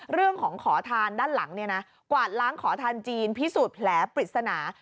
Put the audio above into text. เรื่องของขอทานด้านหลังกวาดล้างขอทานจีนพิสูจน์แผลปริศนา